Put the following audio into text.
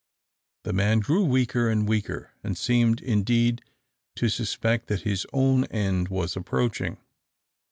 The man grew weaker and weaker, and seemed indeed to suspect that his own end was approaching.